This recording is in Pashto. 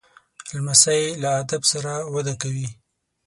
لمسی له ادب سره وده کوي.